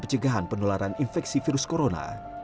pencegahan penularan infeksi virus corona